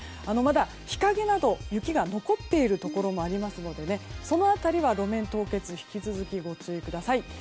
まだ日陰など、雪が残っているところもありますのでその辺りは路面凍結引き続きご注意ください。